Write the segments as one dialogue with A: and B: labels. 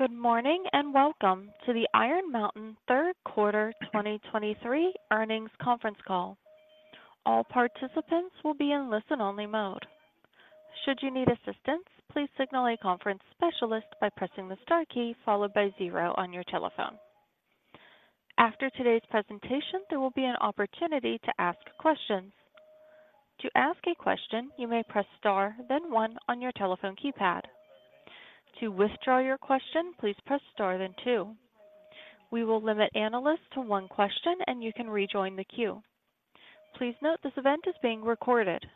A: Good morning, and welcome to the Iron Mountain third quarter 2023 earnings conference call. All participants will be in listen-only mode. Should you need assistance, please signal a conference specialist by pressing the star key followed by zero on your telephone. After today's presentation, there will be an opportunity to ask questions. To ask a question, you may press star, then one on your telephone keypad. To withdraw your question, please press star, then two. We will limit analysts to one question, and you can rejoin the queue. Please note, this event is being recorded.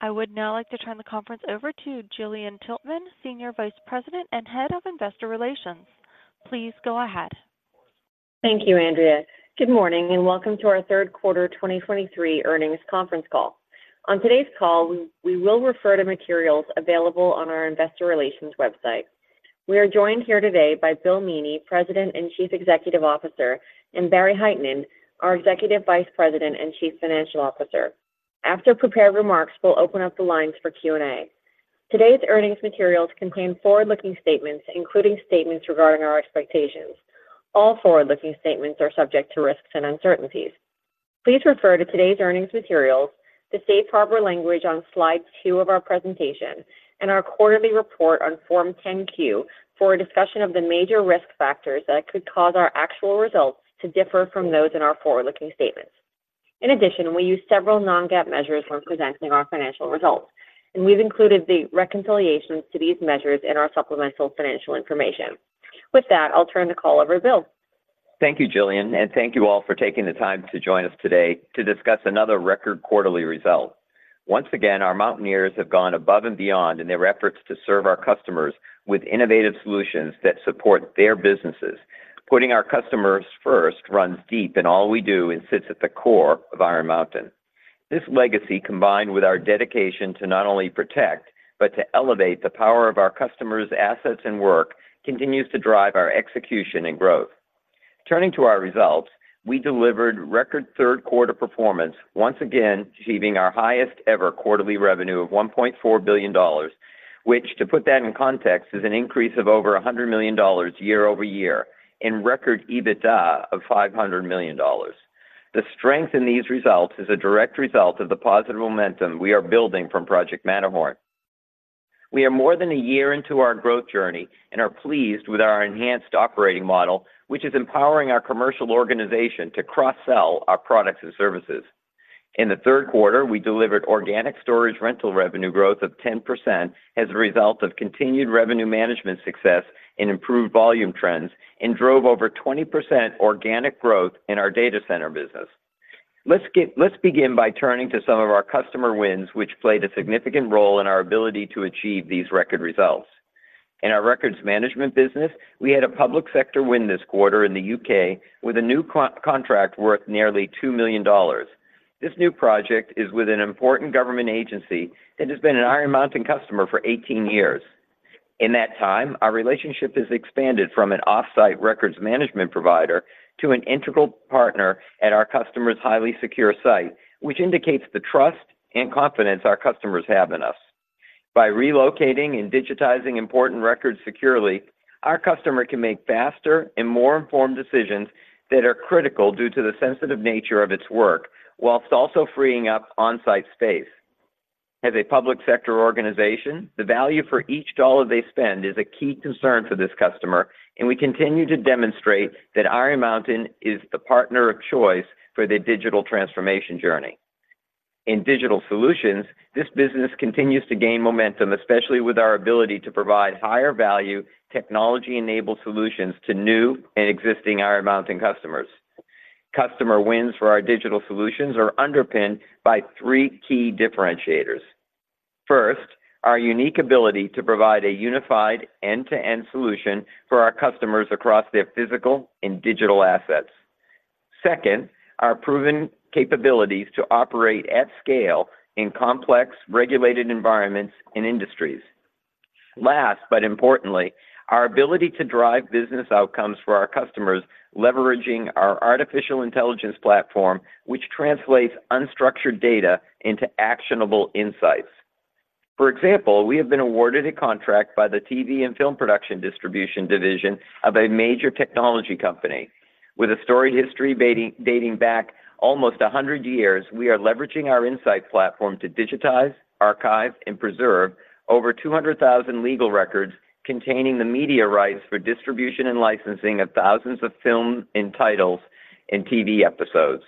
A: I would now like to turn the conference over to Gillian Tiltman, Senior Vice President and Head of Investor Relations. Please go ahead.
B: Thank you, Andrea. Good morning, and welcome to our third quarter 2023 earnings conference call. On today's call, we will refer to materials available on our investor relations website. We are joined here today by William Meaney, President and Chief Executive Officer, and Barry Hytinen, our Executive Vice President and Chief Financial Officer. After prepared remarks, we'll open up the lines for Q&A. Today's earnings materials contain forward-looking statements, including statements regarding our expectations. All forward-looking statements are subject to risks and uncertainties. Please refer to today's earnings materials, the safe harbor language on slide two of our presentation, and our quarterly report on Form 10-Q for a discussion of the major risk factors that could cause our actual results to differ from those in our forward-looking statements. In addition, we use several non-GAAP measures when presenting our financial results, and we've included the reconciliations to these measures in our supplemental financial information. With that, I'll turn the call over to Will.
C: Thank you, Gillian, and thank you all for taking the time to join us today to discuss another record quarterly result. Once again, our mountaineers have gone above and beyond in their efforts to serve our customers with innovative solutions that support their businesses. Putting our customers first runs deep in all we do and sits at the core of Iron Mountain. This legacy, combined with our dedication to not only protect, but to elevate the power of our customers' assets and work, continues to drive our execution and growth. Turning to our results, we delivered record third quarter performance, once again, achieving our highest-ever quarterly revenue of $1.4 billion, which, to put that in context, is an increase of over $100 million year-over-year in record EBITDA of $500 million. The strength in these results is a direct result of the positive momentum we are building from Project Matterhorn. We are more than a year into our growth journey and are pleased with our enhanced operating model, which is empowering our commercial organization to cross-sell our products and services. In the third quarter, we delivered organic storage rental revenue growth of 10% as a result of continued revenue management success and improved volume trends, and drove over 20% organic growth in our data center business. Let's begin by turning to some of our customer wins, which played a significant role in our ability to achieve these record results. In our records management business, we had a public sector win this quarter in the U.K. with a new contract worth nearly $2 million. This new project is with an important government agency and has been an Iron Mountain customer for 18 years. In that time, our relationship has expanded from an off-site records management provider to an integral partner at our customer's highly secure site, which indicates the trust and confidence our customers have in us. By relocating and digitizing important records securely, our customer can make faster and more informed decisions that are critical due to the sensitive nature of its work, while also freeing up on-site space. As a public sector organization, the value for each dollar they spend is a key concern for this customer, and we continue to demonstrate that Iron Mountain is the partner of choice for their digital transformation journey. In Digital Solutions, this business continues to gain momentum, especially with our ability to provide higher-value, technology-enabled solutions to new and existing Iron Mountain customers. Customer wins for our digital solutions are underpinned by three key differentiators. First, our unique ability to provide a unified end-to-end solution for our customers across their physical and digital assets. Second, our proven capabilities to operate at scale in complex, regulated environments and industries. Last, but importantly, our ability to drive business outcomes for our customers, leveraging our artificial intelligence platform, which translates unstructured data into actionable insights. For example, we have been awarded a contract by the TV and film production distribution division of a major technology company. With a storied history dating back almost 100 years, we are leveraging our insights platform to digitize, archive, and preserve over 200,000 legal records containing the media rights for distribution and licensing of thousands of film and titles and TV episodes.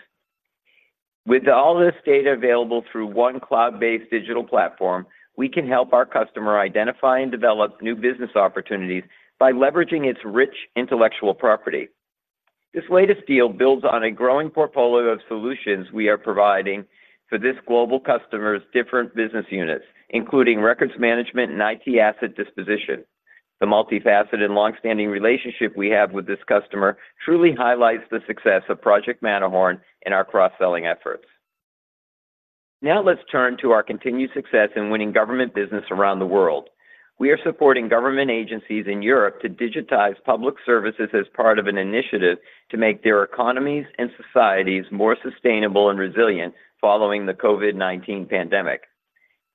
C: With all this data available through one cloud-based digital platform, we can help our customer identify and develop new business opportunities by leveraging its rich intellectual property. This latest deal builds on a growing portfolio of solutions we are providing for this global customer's different business units, including records management and IT asset disposition. The multifaceted and longstanding relationship we have with this customer truly highlights the success of Project Matterhorn and our cross-selling efforts. Now let's turn to our continued success in winning government business around the world. We are supporting government agencies in Europe to digitize public services as part of an initiative to make their economies and societies more sustainable and resilient following the COVID-19 pandemic.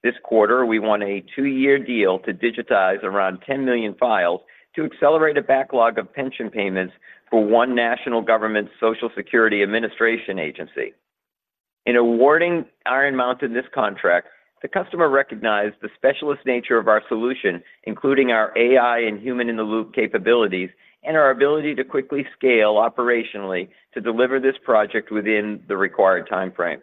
C: This quarter, we won a two-year deal to digitize around 10 million files to accelerate a backlog of pension payments for one national government Social Security Administration agency. In awarding Iron Mountain this contract, the customer recognized the specialist nature of our solution, including our AI and human-in-the-loop capabilities, and our ability to quickly scale operationally to deliver this project within the required time frame.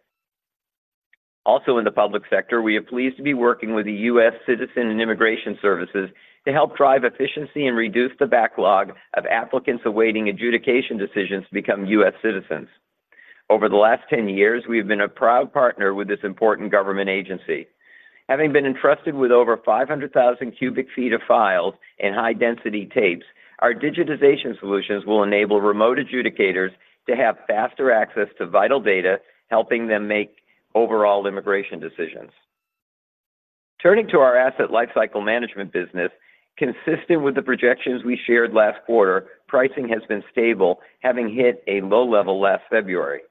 C: Also, in the public sector, we are pleased to be working with the U.S. Citizenship and Immigration Services to help drive efficiency and reduce the backlog of applicants awaiting adjudication decisions to become U.S. citizens. Over the last 10 years, we have been a proud partner with this important government agency. Having been entrusted with over 500,000 cubic feet of files and high-density tapes, our digitization solutions will enable remote adjudicators to have faster access to vital data, helping them make overall immigration decisions. Turning to our Asset Lifecycle Management business, consistent with the projections we shared last quarter, pricing has been stable, having hit a low level last February.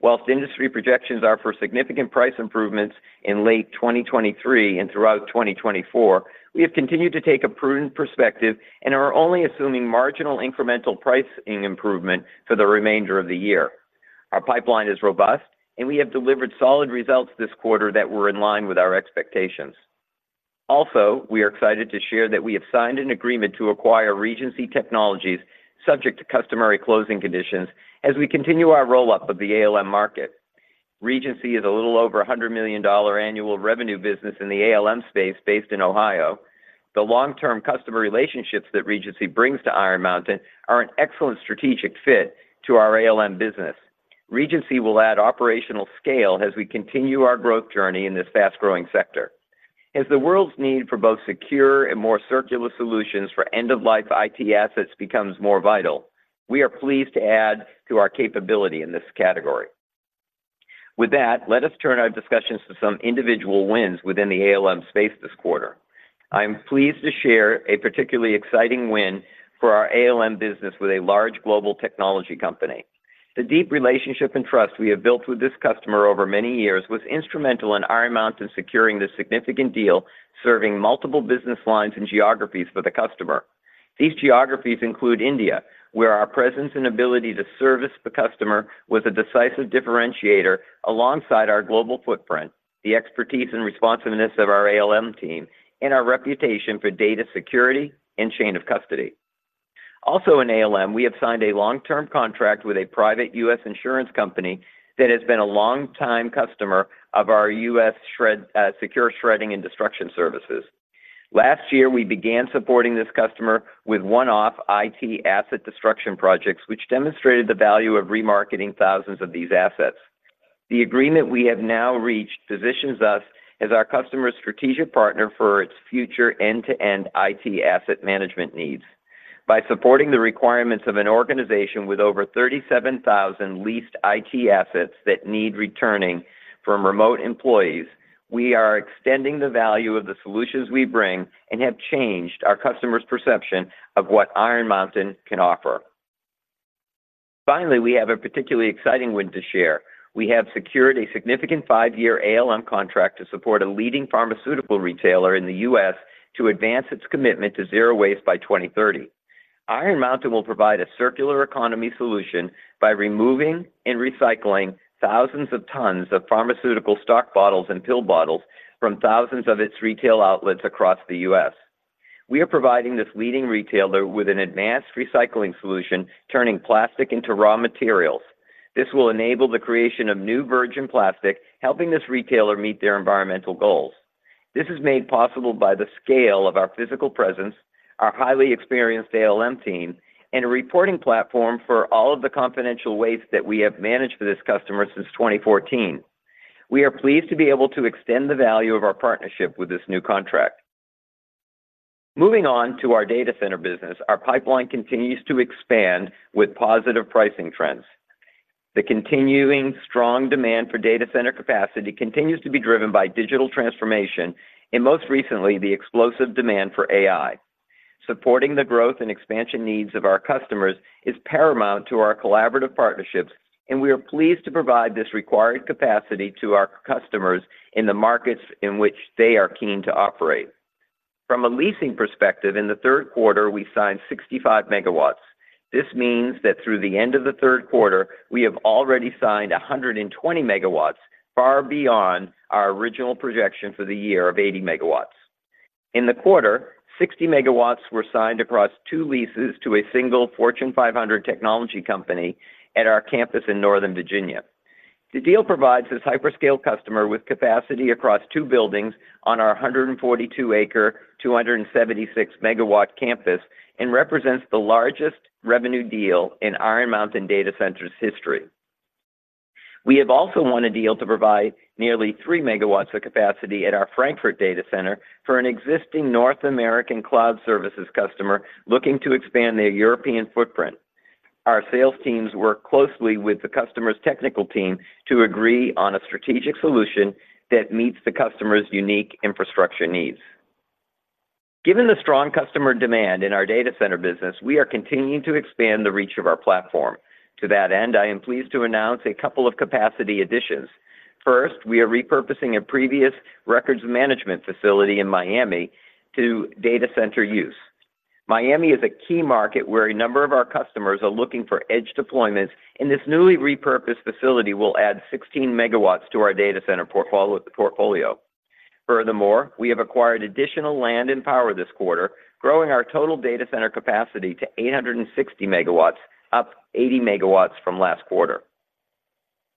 C: While industry projections are for significant price improvements in late 2023 and throughout 2024, we have continued to take a prudent perspective and are only assuming marginal incremental pricing improvement for the remainder of the year. Our pipeline is robust, and we have delivered solid results this quarter that were in line with our expectations. Also, we are excited to share that we have signed an agreement to acquire Regency Technologies, subject to customary closing conditions, as we continue our roll-up of the ALM market. Regency is a little over $100 million annual revenue business in the ALM space based in Ohio. The long-term customer relationships that Regency brings to Iron Mountain are an excellent strategic fit to our ALM business. Regency will add operational scale as we continue our growth journey in this fast-growing sector. As the world's need for both secure and more circular solutions for end-of-life IT assets becomes more vital, we are pleased to add to our capability in this category. With that, let us turn our discussions to some individual wins within the ALM space this quarter. I am pleased to share a particularly exciting win for our ALM business with a large global technology company. The deep relationship and trust we have built with this customer over many years was instrumental in Iron Mountain securing this significant deal, serving multiple business lines and geographies for the customer. These geographies include India, where our presence and ability to service the customer was a decisive differentiator alongside our global footprint, the expertise and responsiveness of our ALM team, and our reputation for data security and chain of custody. Also in ALM, we have signed a long-term contract with a private U.S. insurance company that has been a long-time customer of our U.S. secure shredding and destruction services. Last year, we began supporting this customer with one-off IT asset destruction projects, which demonstrated the value of remarketing thousands of these assets. The agreement we have now reached positions us as our customer's strategic partner for its future end-to-end IT asset management needs. By supporting the requirements of an organization with over 37,000 leased IT assets that need returning from remote employees, we are extending the value of the solutions we bring and have changed our customer's perception of what Iron Mountain can offer. Finally, we have a particularly exciting win to share. We have secured a significant five-year ALM contract to support a leading pharmaceutical retailer in the U.S. to advance its commitment to zero waste by 2030. Iron Mountain will provide a circular economy solution by removing and recycling thousands of tons of pharmaceutical stock bottles and pill bottles from thousands of its retail outlets across the U.S. We are providing this leading retailer with an advanced recycling solution, turning plastic into raw materials. This will enable the creation of new virgin plastic, helping this retailer meet their environmental goals. This is made possible by the scale of our physical presence, our highly experienced ALM team, and a reporting platform for all of the confidential waste that we have managed for this customer since 2014. We are pleased to be able to extend the value of our partnership with this new contract. Moving on to our data center business, our pipeline continues to expand with positive pricing trends. The continuing strong demand for data center capacity continues to be driven by digital transformation and, most recently, the explosive demand for AI. Supporting the growth and expansion needs of our customers is paramount to our collaborative partnerships, and we are pleased to provide this required capacity to our customers in the markets in which they are keen to operate. From a leasing perspective, in the third quarter, we signed 65 MW. This means that through the end of the third quarter, we have already signed 120 MW, far beyond our original projection for the year of 80 MW. In the quarter, 60 MW were signed across two leases to a single Fortune 500 technology company at our campus in Northern Virginia. The deal provides this hyperscale customer with capacity across two buildings on our 142-acre, 276-MW campus, and represents the largest revenue deal in Iron Mountain Data Centers history. We have also won a deal to provide nearly 3 MW of capacity at our Frankfurt data center for an existing North American cloud services customer looking to expand their European footprint. Our sales teams worked closely with the customer's technical team to agree on a strategic solution that meets the customer's unique infrastructure needs....Given the strong customer demand in our data center business, we are continuing to expand the reach of our platform. To that end, I am pleased to announce a couple of capacity additions. First, we are repurposing a previous records management facility in Miami to data center use. Miami is a key market where a number of our customers are looking for edge deployments, and this newly repurposed facility will add 16 MW to our data center portfolio. Furthermore, we have acquired additional land and power this quarter, growing our total data center capacity to 860 MW, up 80 MW from last quarter.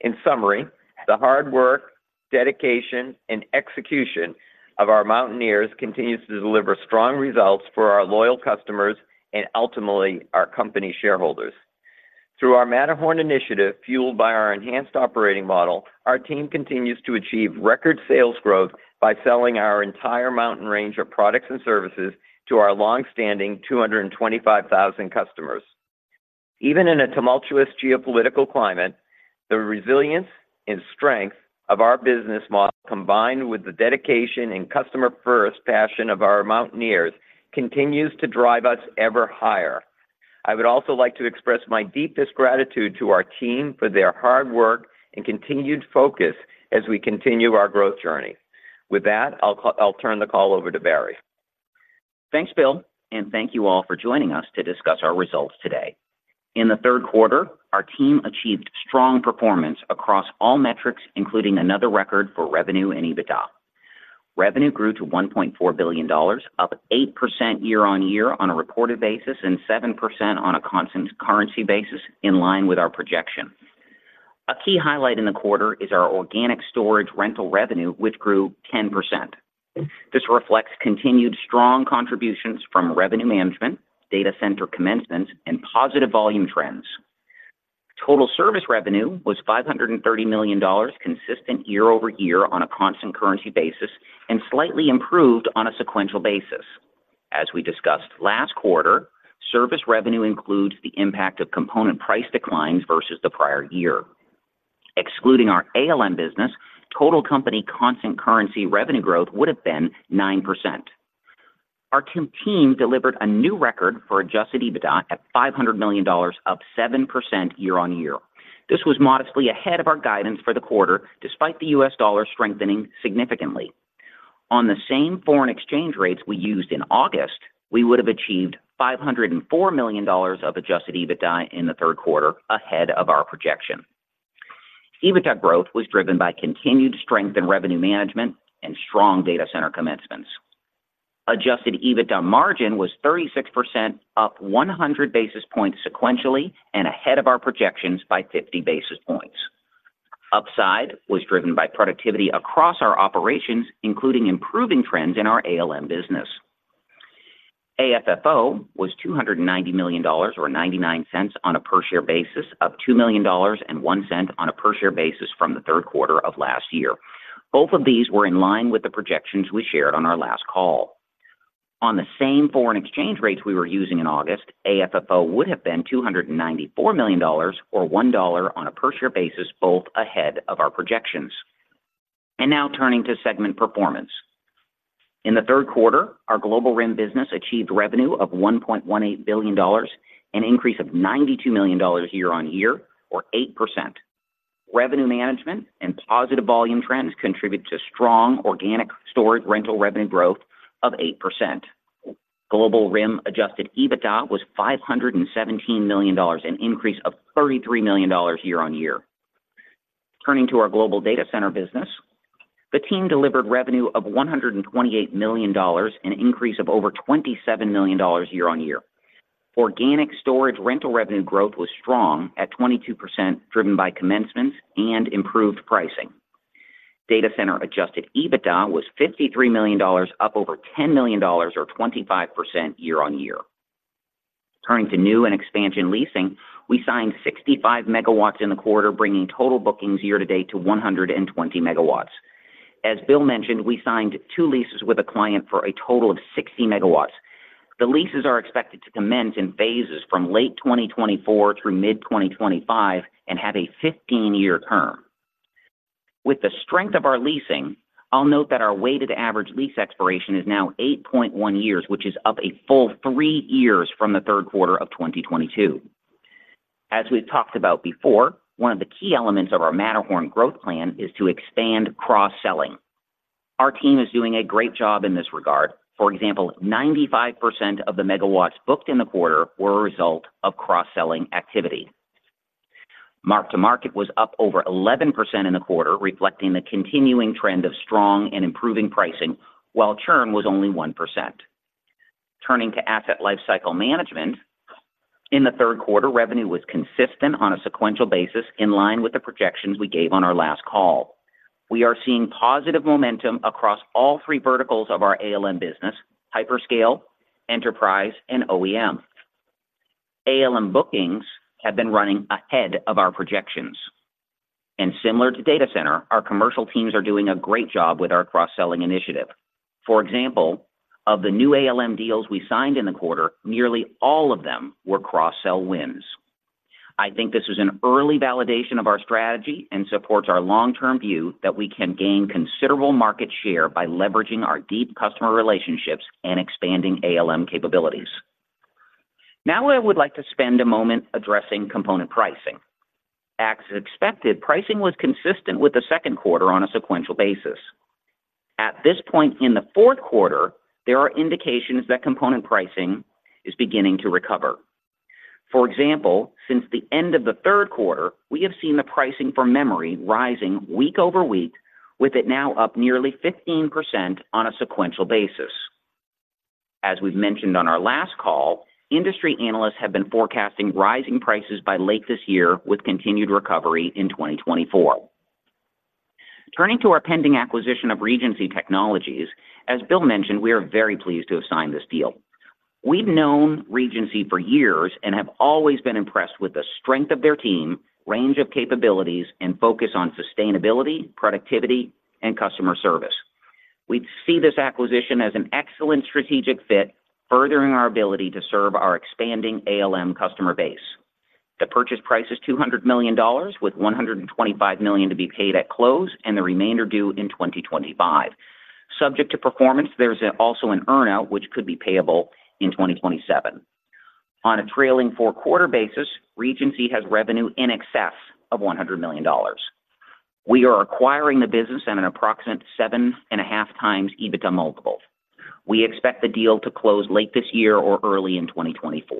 C: In summary, the hard work, dedication, and execution of our Mountaineers continues to deliver strong results for our loyal customers and ultimately our company shareholders. Through our Matterhorn initiative, fueled by our enhanced operating model, our team continues to achieve record sales growth by selling our entire mountain range of products and services to our long-standing 225,000 customers. Even in a tumultuous geopolitical climate, the resilience and strength of our business model, combined with the dedication and customer-first passion of our Mountaineers, continues to drive us ever higher. I would also like to express my deepest gratitude to our team for their hard work and continued focus as we continue our growth journey. With that, I'll turn the call over to Barry.
D: Thanks, Will, and thank you all for joining us to discuss our results today. In the third quarter, our team achieved strong performance across all metrics, including another record for revenue and EBITDA. Revenue grew to $1.4 billion, up 8% year-on-year on a reported basis, and 7% on a constant currency basis, in line with our projection. A key highlight in the quarter is our organic storage rental revenue, which grew 10%. This reflects continued strong contributions from revenue management, data center commencement, and positive volume trends. Total service revenue was $530 million, consistent year-on-year on a constant currency basis and slightly improved on a sequential basis. As we discussed last quarter, service revenue includes the impact of component price declines versus the prior year. Excluding our ALM business, total company constant currency revenue growth would have been 9%. Our team delivered a new record for Adjusted EBITDA at $500 million, up 7% year-on-year. This was modestly ahead of our guidance for the quarter, despite the U.S. dollar strengthening significantly. On the same foreign exchange rates we used in August, we would have achieved $504 million of Adjusted EBITDA in the third quarter, ahead of our projection. EBITDA growth was driven by continued strength in revenue management and strong data center commencements. Adjusted EBITDA margin was 36%, up 100 basis points sequentially and ahead of our projections by 50 basis points. Upside was driven by productivity across our operations, including improving trends in our ALM business. AFFO was $290 million, or $0.99 on a per-share basis, up $2 million and $0.01 on a per-share basis from the third quarter of last year. Both of these were in line with the projections we shared on our last call. On the same foreign exchange rates we were using in August, AFFO would have been $294 million or $1.00 on a per-share basis, both ahead of our projections. Now turning to segment performance. In the third quarter, our global RIM business achieved revenue of $1.18 billion, an increase of $92 million year-on-year, or 8%. Revenue management and positive volume trends contributed to strong organic storage rental revenue growth of 8%. Global RIM Adjusted EBITDA was $517 million, an increase of $33 million year-over-year. Turning to our Global Data Center business, the team delivered revenue of $128 million, an increase of over $27 million year-over-year. Organic storage rental revenue growth was strong at 22%, driven by commencements and improved pricing. Data center Adjusted EBITDA was $53 million, up over $10 million or 25% year-over-year. Turning to new and expansion leasing, we signed 65 MW in the quarter, bringing total bookings year to date to 120 MW. As Will mentioned, we signed two leases with a client for a total of 60 MW. The leases are expected to commence in phases from late 2024 through mid-2025 and have a 15-year term. With the strength of our leasing, I'll note that our weighted average lease expiration is now 8.1 years, which is up a full three years from the third quarter of 2022. As we've talked about before, one of the key elements of our Matterhorn growth plan is to expand cross-selling. Our team is doing a great job in this regard. For example, 95% of the megawatts booked in the quarter were a result of cross-selling activity. Mark to market was up over 11% in the quarter, reflecting the continuing trend of strong and improving pricing, while churn was only 1%. Turning to Asset Lifecycle Management, in the third quarter, revenue was consistent on a sequential basis, in line with the projections we gave on our last call. We are seeing positive momentum across all three verticals of our ALM business: hyperscale, enterprise, and OEM. ALM bookings have been running ahead of our projections. Similar to data center, our commercial teams are doing a great job with our cross-selling initiative. For example, of the new ALM deals we signed in the quarter, nearly all of them were cross-sell wins. I think this is an early validation of our strategy and supports our long-term view that we can gain considerable market share by leveraging our deep customer relationships and expanding ALM capabilities. Now, I would like to spend a moment addressing component pricing. As expected, pricing was consistent with the second quarter on a sequential basis. At this point in the fourth quarter, there are indications that component pricing is beginning to recover. For example, since the end of the third quarter, we have seen the pricing for memory rising week over week, with it now up nearly 15% on a sequential basis. As we've mentioned on our last call, industry analysts have been forecasting rising prices by late this year, with continued recovery in 2024. Turning to our pending acquisition of Regency Technologies. As Will mentioned, we are very pleased to have signed this deal. We've known Regency for years and have always been impressed with the strength of their team, range of capabilities, and focus on sustainability, productivity, and customer service. We see this acquisition as an excellent strategic fit, furthering our ability to serve our expanding ALM customer base. The purchase price is $200 million, with $125 million to be paid at close and the remainder due in 2025. Subject to performance, there's also an earn-out, which could be payable in 2027. On a trailing four quarter basis, Regency has revenue in excess of $100 million. We are acquiring the business at an approximate 7.5x EBITDA multiple. We expect the deal to close late this year or early in 2024.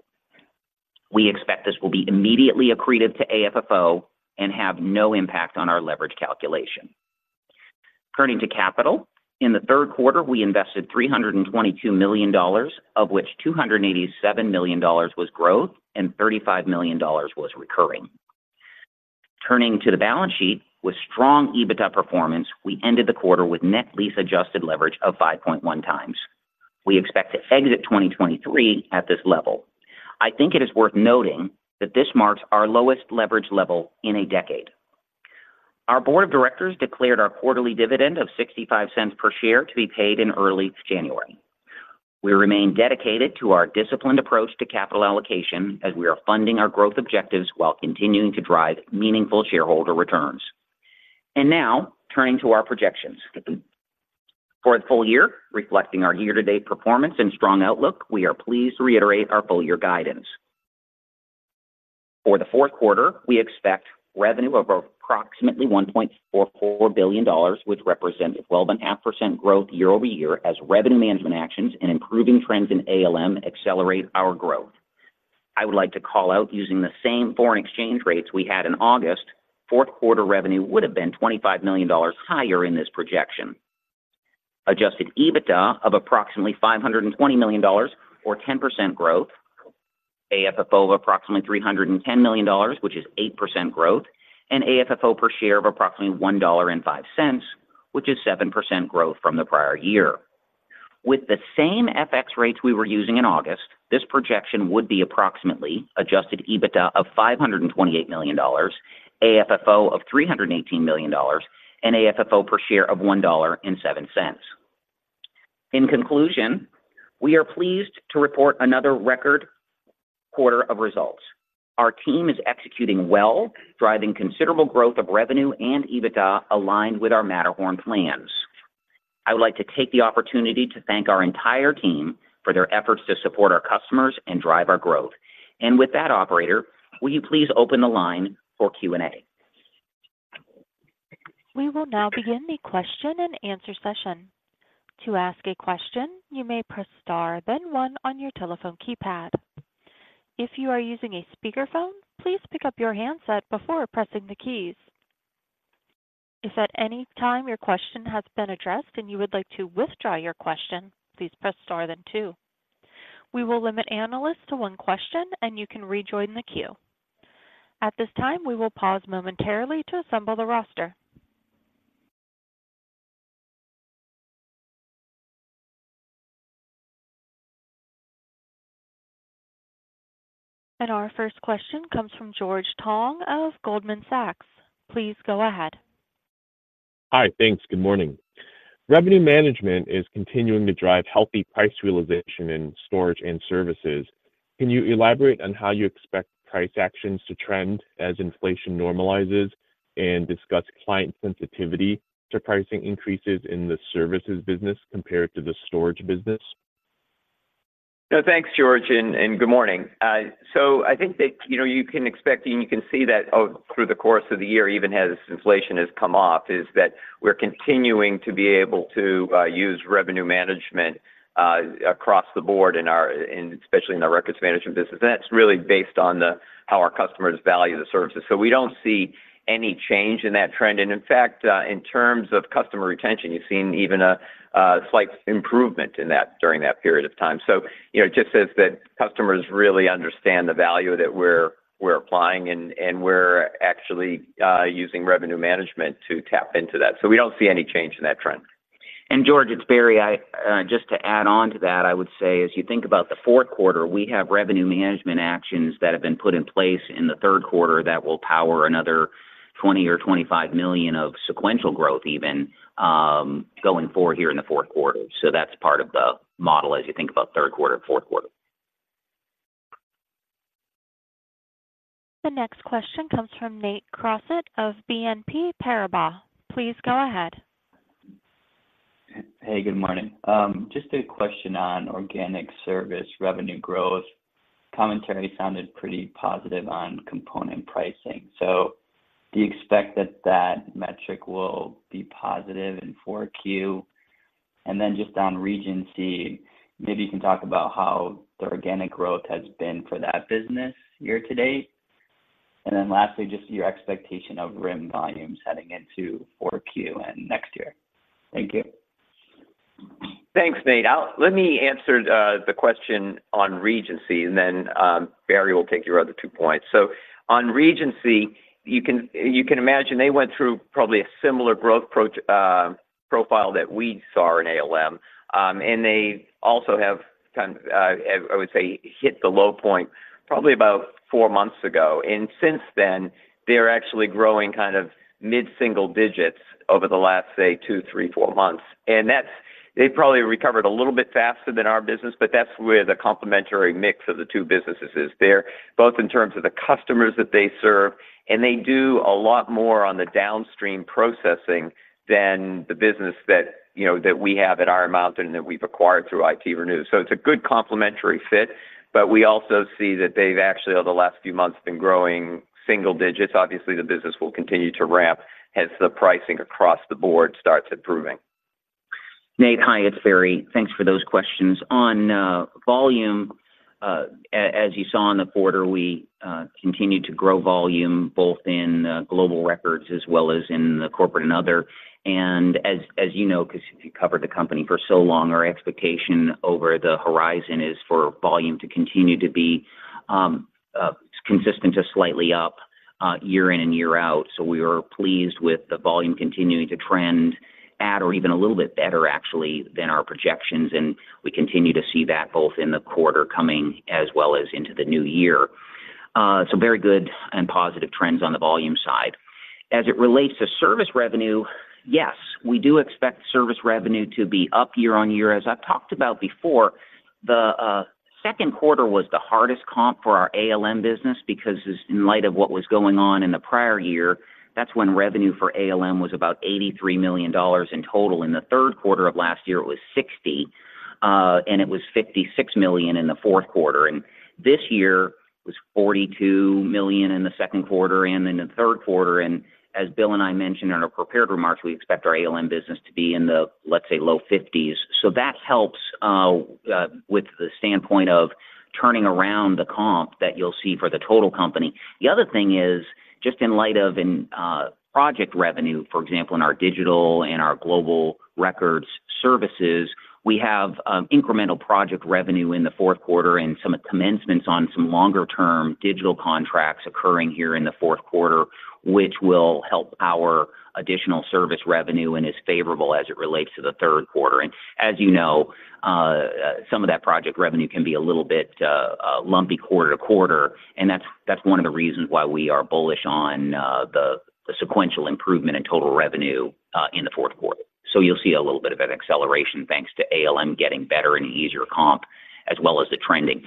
D: We expect this will be immediately accretive to AFFO and have no impact on our leverage calculation. Turning to capital. In the third quarter, we invested $322 million, of which $287 million was growth and $35 million was recurring. Turning to the balance sheet. With strong EBITDA performance, we ended the quarter with net lease adjusted leverage of 5.1x. We expect to exit 2023 at this level. I think it is worth noting that this marks our lowest leverage level in a decade. Our board of directors declared our quarterly dividend of $0.65 per share to be paid in early January. We remain dedicated to our disciplined approach to capital allocation as we are funding our growth objectives while continuing to drive meaningful shareholder returns. Now turning to our projections. For the full year, reflecting our year-to-date performance and strong outlook, we are pleased to reiterate our full year guidance. For the fourth quarter, we expect revenue of approximately $1.44 billion, which represents a 12.5% growth year-over-year, as revenue management actions and improving trends in ALM accelerate our growth. I would like to call out, using the same foreign exchange rates we had in August, fourth quarter revenue would have been $25 million higher in this projection. Adjusted EBITDA of approximately $520 million, or 10% growth, AFFO of approximately $310 million, which is 8% growth, and AFFO per share of approximately $1.05, which is 7% growth from the prior year. With the same FX rates we were using in August, this projection would be approximately adjusted EBITDA of $528 million, AFFO of $318 million, and AFFO per share of $1.07. In conclusion, we are pleased to report another record quarter of results. Our team is executing well, driving considerable growth of revenue and EBITDA aligned with our Matterhorn plans. I would like to take the opportunity to thank our entire team for their efforts to support our customers and drive our growth. With that, operator, will you please open the line for Q&A?
A: We will now begin the question-and-answer session. To ask a question, you may press Star, then one on your telephone keypad. If you are using a speakerphone, please pick up your handset before pressing the keys. If at any time your question has been addressed and you would like to withdraw your question, please press Star then two. We will limit analysts to one question, and you can rejoin the queue. At this time, we will pause momentarily to assemble the roster. Our first question comes from George Tong of Goldman Sachs. Please go ahead.
E: Hi, thanks. Good morning. Revenue management is continuing to drive healthy price realization in storage and services. Can you elaborate on how you expect price actions to trend as inflation normalizes, and discuss client sensitivity to pricing increases in the services business compared to the storage business?
D: No, thanks, George, and good morning. So I think that, you know, you can expect, and you can see that, through the course of the year, even as inflation has come off, is that we're continuing to be able to, use revenue management, across the board in our—in especially in the records management business. And that's really based on the, how our customers value the services. So we don't see any change in that trend. And in fact, in terms of customer retention, you've seen even a, a slight improvement in that during that period of time. So, you know, it just says that customers really understand the value that we're, we're applying, and, and we're actually, using revenue management to tap into that. So we don't see any change in that trend. And George, it's Barry. Just to add on to that, I would say as you think about the fourth quarter, we have revenue management actions that have been put in place in the third quarter that will power another...... $20-$25 million of sequential growth even going forward here in the fourth quarter. So that's part of the model as you think about third quarter, fourth quarter.
A: The next question comes from Nate Crossett of BNP Paribas. Please go ahead.
F: Hey, good morning. Just a question on organic service revenue growth. Commentary sounded pretty positive on component pricing, so do you expect that that metric will be positive in 4Q? And then just on Regency, maybe you can talk about how the organic growth has been for that business year to date. And then lastly, just your expectation of RIM volumes heading into 4Q and next year. Thank you.
C: Thanks, Nate. Let me answer the question on Regency, and then Barry will take your other two points. So on Regency, you can imagine they went through probably a similar growth profile that we saw in ALM. And they also have kind of I would say hit the low point probably about four months ago. And since then, they're actually growing kind of mid-single digits over the last, say, two, three, four months. And that's. They've probably recovered a little bit faster than our business, but that's where the complementary mix of the two businesses is. They're both in terms of the customers that they serve, and they do a lot more on the downstream processing than the business that, you know, that we have at Iron Mountain and that we've acquired through ITRenew. It's a good complementary fit, but we also see that they've actually, over the last few months, been growing single digits. Obviously, the business will continue to ramp as the pricing across the board starts improving.
D: Nate, hi, it's Barry. Thanks for those questions. On volume, as you saw in the quarter, we continued to grow volume both in global records as well as in the corporate and other. And as you know, because you covered the company for so long, our expectation over the horizon is for volume to continue to be consistent to slightly up year in and year out. So we are pleased with the volume continuing to trend at or even a little bit better, actually, than our projections, and we continue to see that both in the quarter coming as well as into the new year. So very good and positive trends on the volume side. As it relates to service revenue, yes, we do expect service revenue to be up year-over-year. As I've talked about before, the second quarter was the hardest comp for our ALM business, because in light of what was going on in the prior year, that's when revenue for ALM was about $83 million in total. In the third quarter of last year, it was $60 million, and it was $56 million in the fourth quarter. And this year, it was $42 million in the second quarter and in the third quarter. And as Will and I mentioned in our prepared remarks, we expect our ALM business to be in the, let's say, low 50s. So that helps with the standpoint of turning around the comp that you'll see for the total company. The other thing is, just in light of project revenue, for example, in our digital and our global records services, we have incremental project revenue in the fourth quarter and some commencements on some longer-term digital contracts occurring here in the fourth quarter, which will help our additional service revenue and is favorable as it relates to the third quarter. And as you know, some of that project revenue can be a little bit lumpy quarter to quarter, and that's one of the reasons why we are bullish on the sequential improvement in total revenue in the fourth quarter. So you'll see a little bit of an acceleration, thanks to ALM getting better and easier comp, as well as the trending.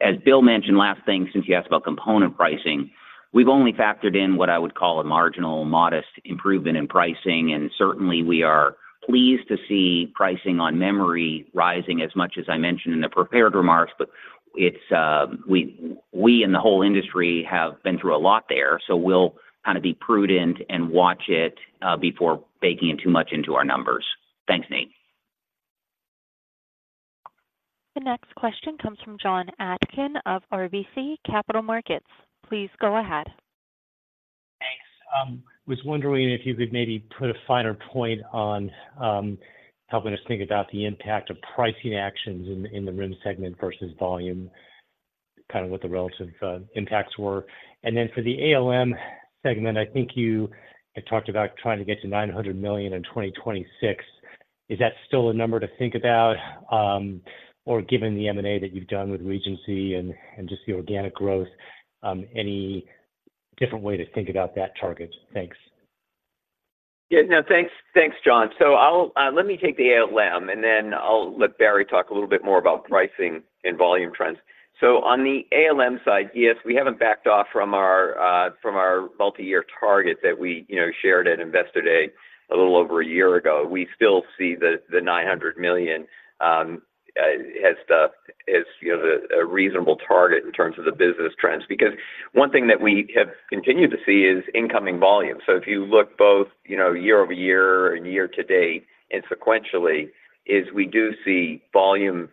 D: As Will mentioned, last thing, since you asked about component pricing, we've only factored in what I would call a marginal, modest improvement in pricing, and certainly we are pleased to see pricing on memory rising as much as I mentioned in the prepared remarks. But it's, we in the whole industry have been through a lot there, so we'll kind of be prudent and watch it, before baking it too much into our numbers. Thanks, Nate.
A: The next question comes from Jon Atkin of RBC Capital Markets. Please go ahead.
G: Thanks. Was wondering if you could maybe put a finer point on helping us think about the impact of pricing actions in the RIM segment versus volume, kind of what the relative impacts were. And then for the ALM segment, I think you had talked about trying to get to $900 million in 2026. Is that still a number to think about, or given the M&A that you've done with Regency and just the organic growth, any different way to think about that target? Thanks.
C: Yeah. No, thanks, thanks, John. So I'll let me take the ALM, and then I'll let Barry talk a little bit more about pricing and volume trends. So on the ALM side, yes, we haven't backed off from our from our multi-year target that we, you know, shared at Investor Day a little over a year ago. We still see the $900 million as the, as, you know, the a reasonable target in terms of the business trends. Because one thing that we have continued to see is incoming volume. So if you look both, you know, year-over-year and year-to-date and sequentially, is we do see volume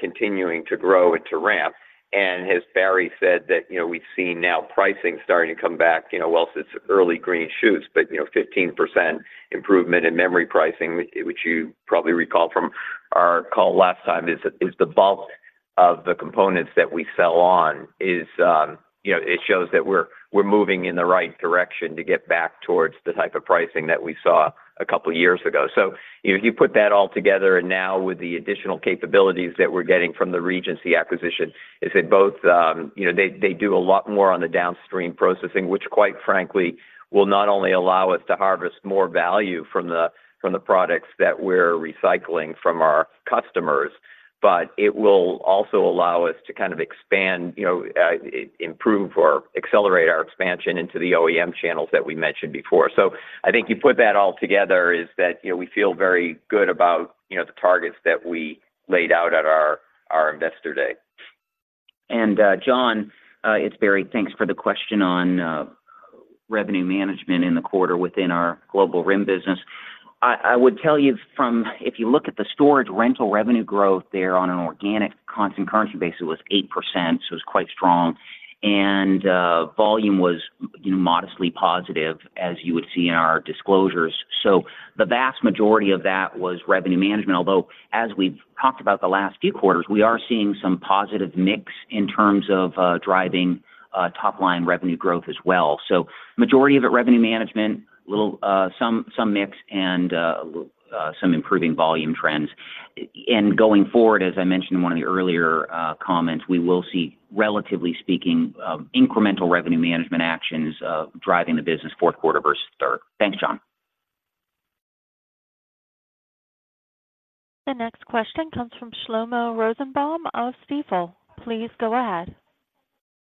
C: continuing to grow and to ramp. As Barry said, that, you know, we've seen now pricing starting to come back, you know, well, it's early green shoots, but, you know, 15% improvement in memory pricing, which you probably recall from our call last time is the bulk of the components that we sell on is, you know, it shows that we're moving in the right direction to get back towards the type of pricing that we saw a couple of years ago. So if you put that all together, and now with the additional capabilities that we're getting from the Regency acquisition, is that both, you know, they, they do a lot more on the downstream processing, which quite frankly, will not only allow us to harvest more value from the products that we're recycling from our customers, but it will also allow us to kind of expand, you know, improve or accelerate our expansion into the OEM channels that we mentioned before. So I think you put that all together is that, you know, we feel very good about, you know, the targets that we laid out at our Investor Day.
D: Jon, it's Barry. Thanks for the question on revenue management in the quarter within our Global RIM business. I, I would tell you from—if you look at the storage rental revenue growth there on an organic constant currency basis, it was 8%, so it's quite strong, and volume was, you know, modestly positive as you would see in our disclosures. So the vast majority of that was revenue management. Although, as we've talked about the last few quarters, we are seeing some positive mix in terms of driving top line revenue growth as well. So majority of it, revenue management, little, some, some mix, and some improving volume trends. And going forward, as I mentioned in one of the earlier comments, we will see, relatively speaking, incremental revenue management actions driving the business fourth quarter versus third. Thanks, Jon.
A: The next question comes from Shlomo Rosenbaum of Stifel. Please go ahead.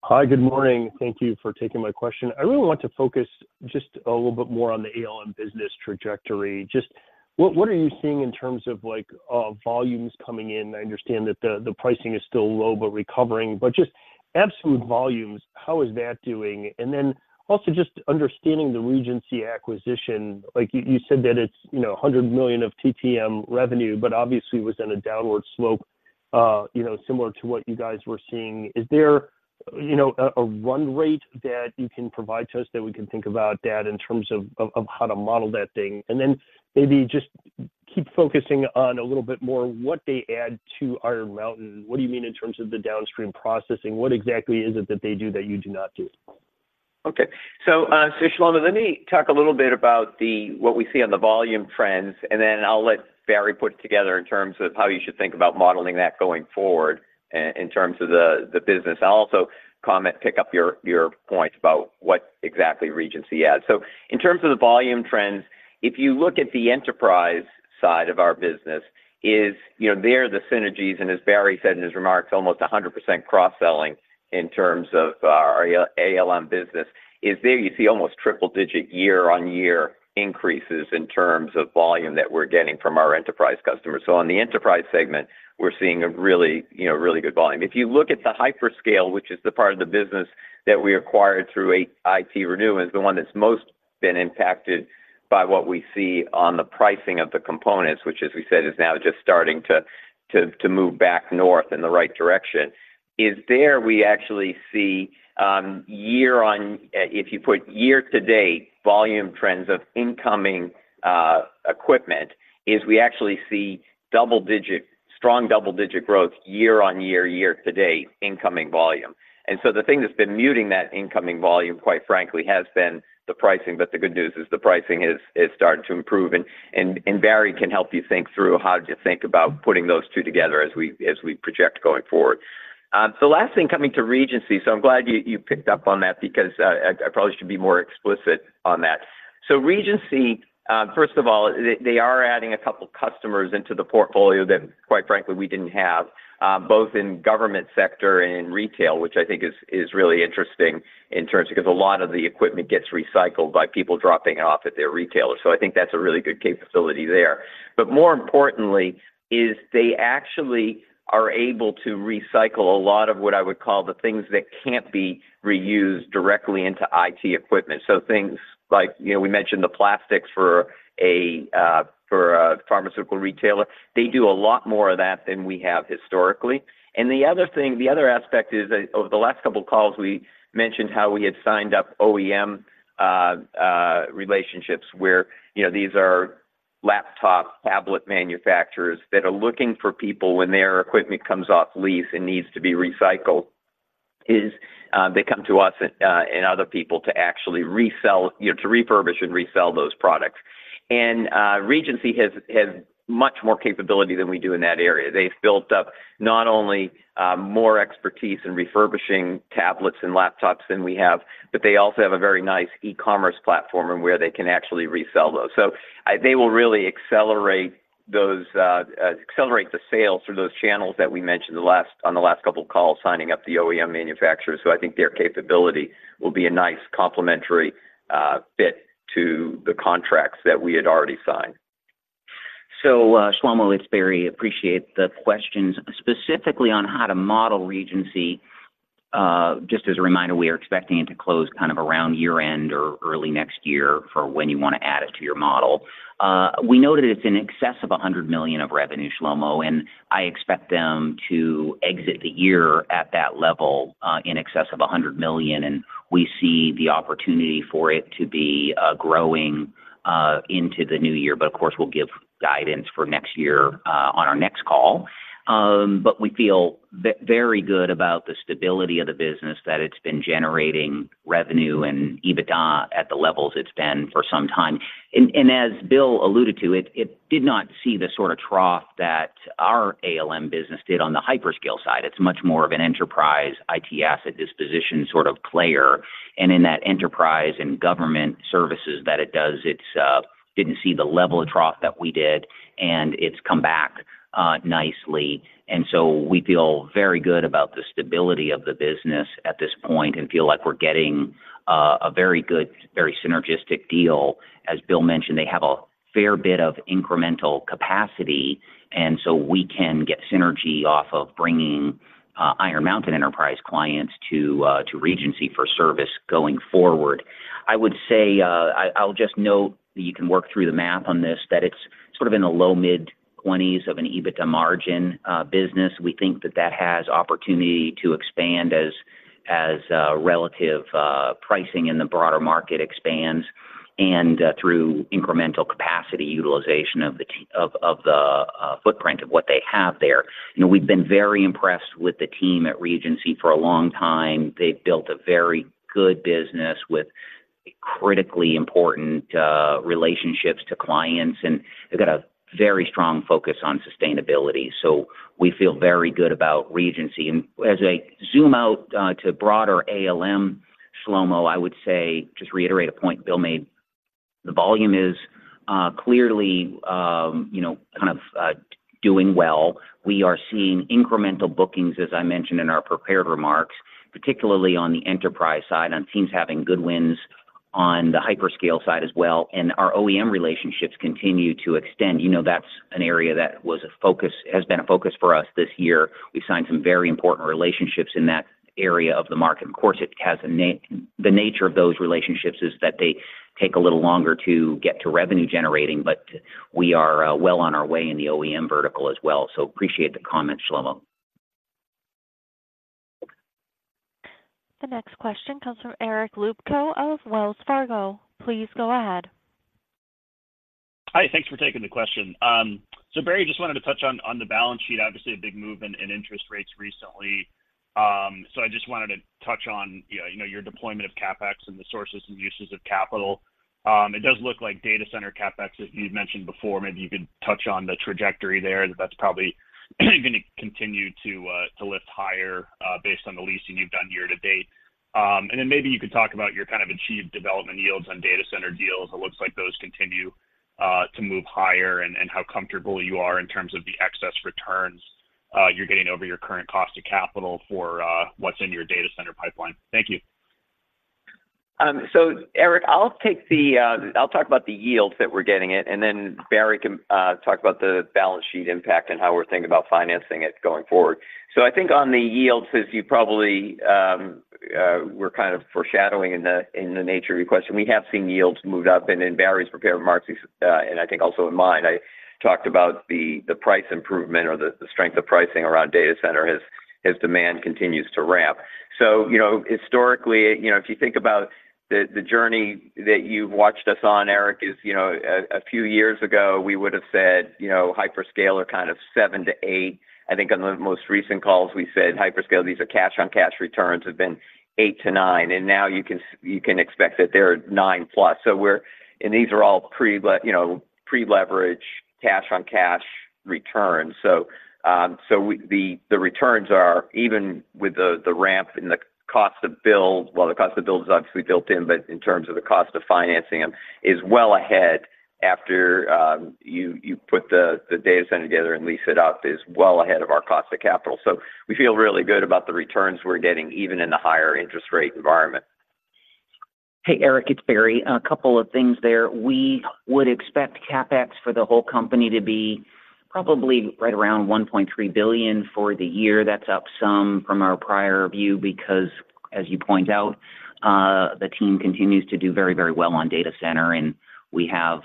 H: Hi, good morning. Thank you for taking my question. I really want to focus just a little bit more on the ALM business trajectory. Just what, what are you seeing in terms of like, volumes coming in? I understand that the, the pricing is still low, but recovering, but just absolute volumes, how is that doing? And then also just understanding the Regency acquisition. Like, you, you said that it's, you know, $100 million of TTM revenue, but obviously was in a downward slope, you know, similar to what you guys were seeing. Is there, you know, a, a run rate that you can provide to us that we can think about that in terms of, of, of how to model that thing? And then maybe just keep focusing on a little bit more what they add to Iron Mountain. What do you mean in terms of the downstream processing? What exactly is it that they do that you do not do?
C: Okay. So, Shlomo, let me talk a little bit about what we see on the volume trends, and then I'll let Barry put together in terms of how you should think about modeling that going forward in terms of the business. I'll also comment, pick up your points about what exactly Regency adds. So in terms of the volume trends, if you look at the enterprise side of our business, you know, there are the synergies, and as Barry said in his remarks, almost 100% cross-selling in terms of our ALM business, there you see almost triple-digit year-on-year increases in terms of volume that we're getting from our enterprise customers. So on the enterprise segment, we're seeing a really, you know, really good volume. If you look at the hyperscale, which is the part of the business that we acquired through ITRenew, and it's the one that's most been impacted by what we see on the pricing of the components, which as we said, is now just starting to to move back north in the right direction, is there we actually see year on... if you put year-to-date volume trends of incoming equipment, is we actually see double-digit, strong double-digit growth year-on-year, year-to-date incoming volume. And so the thing that's been muting that incoming volume, quite frankly, has been the pricing, but the good news is the pricing is starting to improve. And Barry can help you think through how to think about putting those two together as we project going forward. So last thing, coming to Regency. So I'm glad you picked up on that because I probably should be more explicit on that. So Regency, first of all, they are adding a couple customers into the portfolio that, quite frankly, we didn't have, both in government sector and in retail, which I think is really interesting in terms, because a lot of the equipment gets recycled by people dropping off at their retailers. So I think that's a really good capability there. But more importantly, is they actually are able to recycle a lot of what I would call the things that can't be reused directly into IT equipment. So things like, you know, we mentioned the plastics for a pharmaceutical retailer. They do a lot more of that than we have historically. The other thing, the other aspect is that over the last couple of calls, we mentioned how we had signed up OEM relationships where, you know, these are laptop, tablet manufacturers that are looking for people when their equipment comes off lease and needs to be recycled. They come to us and other people to actually resell, you know, to refurbish and resell those products. Regency has much more capability than we do in that area. They've built up not only more expertise in refurbishing tablets and laptops than we have, but they also have a very nice e-commerce platform where they can actually resell those. So they will really accelerate those, accelerate the sales through those channels that we mentioned on the last couple of calls, signing up the OEM manufacturers, so I think their capability will be a nice complementary fit to the contracts that we had already signed.
D: So, Shlomo, it's Barry. Appreciate the questions. Specifically on how to model Regency, just as a reminder, we are expecting it to close kind of around year-end or early next year for when you want to add it to your model. We know that it's in excess of $100 million of revenue, Shlomo, and I expect them to exit the year at that level, in excess of $100 million, and we see the opportunity for it to be growing into the new year, but of course, we'll give guidance for next year on our next call. But we feel very good about the stability of the business, that it's been generating revenue and EBITDA at the levels it's been for some time. As Will alluded to, it did not see the sort of trough that our ALM business did on the hyperscale side. It's much more of an enterprise IT asset disposition sort of player. In that enterprise and government services that it does, it didn't see the level of trough that we did, and it's come back nicely. We feel very good about the stability of the business at this point and feel like we're getting a very good, very synergistic deal. As Will mentioned, they have a fair bit of incremental capacity, and we can get synergy off of bringing Iron Mountain enterprise clients to Regency for service going forward. I would say, I'll just note that you can work through the math on this, that it's sort of in the low- to mid-20s of an EBITDA margin business. We think that that has opportunity to expand as relative pricing in the broader market expands and through incremental capacity utilization of the footprint of what they have there. You know, we've been very impressed with the team at Regency for a long time. They've built a very good business with critically important relationships to clients, and they've got a very strong focus on sustainability. So we feel very good about Regency. And as I zoom out to broader ALM, Shlomo, I would say, just to reiterate a point Will made, the volume is clearly, you know, kind of doing well. We are seeing incremental bookings, as I mentioned in our prepared remarks, particularly on the enterprise side, on teams having good wins on the hyperscale side as well, and our OEM relationships continue to extend. You know, that's an area that has been a focus for us this year. We signed some very important relationships in that area of the market. Of course, it has the nature of those relationships is that they take a little longer to get to revenue generating, but we are well on our way in the OEM vertical as well. So appreciate the comment, Shlomo.
A: The next question comes from Eric Luebchow of Wells Fargo. Please go ahead.
I: Hi, thanks for taking the question. So Barry, just wanted to touch on, on the balance sheet. Obviously, a big movement in interest rates recently. So I just wanted to touch on, you know, your deployment of CapEx and the sources and uses of capital. It does look like data center CapEx, as you'd mentioned before, maybe you could touch on the trajectory there. That's probably going to continue to lift higher, based on the leasing you've done year to date. And then maybe you could talk about your kind of achieved development yields on data center deals. It looks like those continue to move higher, and how comfortable you are in terms of the excess returns you're getting over your current cost of capital for what's in your data center pipeline. Thank you.
C: So Eric, I'll take the, I'll talk about the yields that we're getting in, and then Barry can talk about the balance sheet impact and how we're thinking about financing it going forward. So I think on the yields, as you probably, we're kind of foreshadowing in the, in the nature of your question, we have seen yields moved up and in Barry's prepared remarks, and I think also in mine, I talked about the, the price improvement or the, the strength of pricing around data center as, as demand continues to ramp. So, you know, historically, you know, if you think about the, the journey that you've watched us on, Eric, is, you know, a, a few years ago, we would have said, you know, hyperscale are kind of 7-8. I think on the most recent calls, we said hyperscale, these are cash-on-cash returns, have been 8-9, and now you can expect that they're 9+. So we're and these are all pre-leverage, you know, cash-on-cash returns. So, the returns are even with the ramp and the cost of build, well, the cost of build is obviously built in, but in terms of the cost of financing them, is well ahead after you put the data center together and lease it out, is well ahead of our cost of capital. So we feel really good about the returns we're getting, even in the higher interest rate environment.
D: Hey, Eric, it's Barry. A couple of things there. We would expect CapEx for the whole company to be probably right around $1.3 billion for the year. That's up some from our prior view, because, as you point out, the team continues to do very, very well on data center, and we have,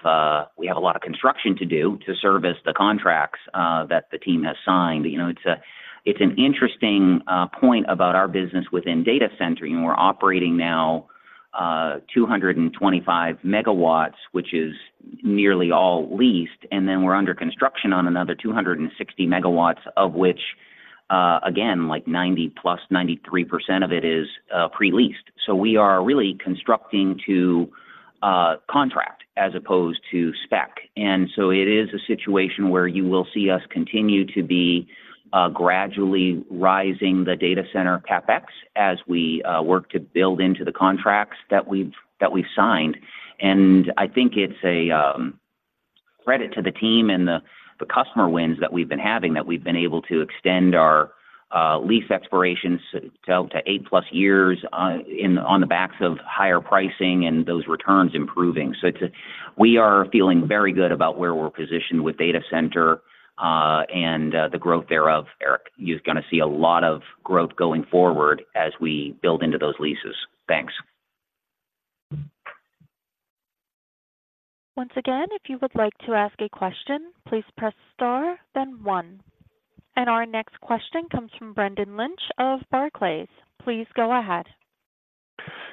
D: we have a lot of construction to do to service the contracts that the team has signed. You know, it's an interesting point about our business within data center, and we're operating now 225 megawatts, which is nearly all leased, and then we're under construction on another 260 megawatts, of which, again, like 90+%, 93% of it is pre-leased. So we are really constructing to contract as opposed to spec. And so it is a situation where you will see us continue to be gradually rising the data center CapEx as we work to build into the contracts that we've signed.I think it's a credit to the team and the customer wins that we've been having, that we've been able to extend our lease expirations out to eight plus years on the backs of higher pricing and those returns improving. So we are feeling very good about where we're positioned with data center and the growth thereof, Eric. You're gonna see a lot of growth going forward as we build into those leases. Thanks.
A: Once again, if you would like to ask a question, please press Star, then one. Our next question comes from Brendan Lynch of Barclays. Please go ahead.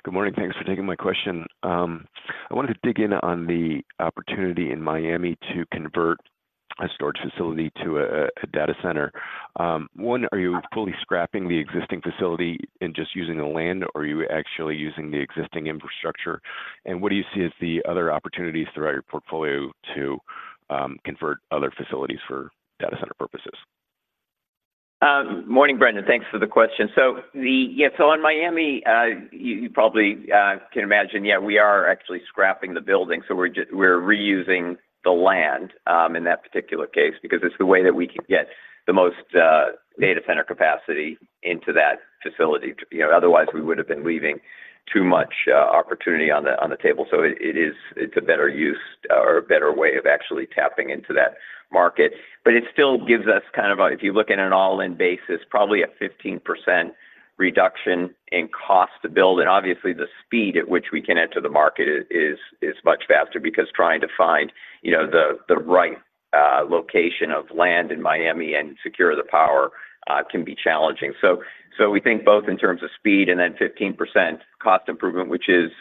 J: Good morning. Thanks for taking my question. I wanted to dig in on the opportunity in Miami to convert a storage facility to a data center. One, are you fully scrapping the existing facility and just using the land, or are you actually using the existing infrastructure? And what do you see as the other opportunities throughout your portfolio to convert other facilities for data center purposes?
C: Morning, Brendan. Thanks for the question. So yeah, so in Miami, you probably can imagine, yeah, we are actually scrapping the building. So we're just reusing the land in that particular case, because it's the way that we can get the most data center capacity into that facility. You know, otherwise, we would have been leaving too much opportunity on the table. So it is, it's a better use or a better way of actually tapping into that market. But it still gives us kind of a, if you look at an all-in basis, probably a 15% reduction in cost to build, and obviously, the speed at which we can enter the market is much faster. Because trying to find, you know, the, the right, location of land in Miami and secure the power, can be challenging. So, so we think both in terms of speed and then 15% cost improvement, which is,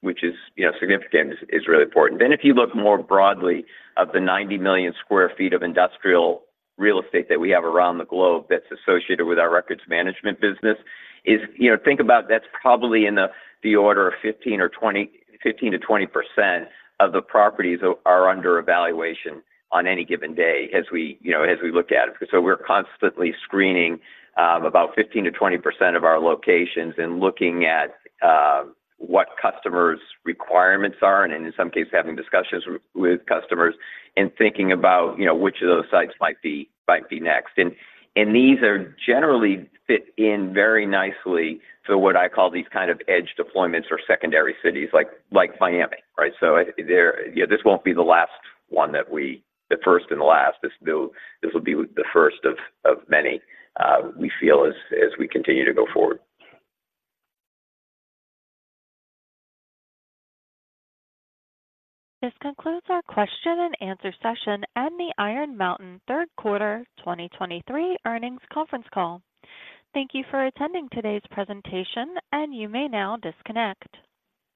C: which is, you know, significant, is, is really important. Then if you look more broadly, of the 90 million sq ft of industrial real estate that we have around the globe that's associated with our records management business, is... You know, think about that's probably in the, the order of 15%-20% of the properties are under evaluation on any given day as we, you know, as we look at it. So we're constantly screening about 15%-20% of our locations and looking at what customers' requirements are, and in some cases, having discussions with customers and thinking about, you know, which of those sites might be next. And these are generally fit in very nicely to what I call these kind of edge deployments or secondary cities like Miami, right? So, yeah, this won't be the last one that we... The first and the last. This will be the first of many, we feel as we continue to go forward.
A: This concludes our question and answer session and the Iron Mountain third quarter 2023 earnings conference call. Thank you for attending today's presentation, and you may now disconnect.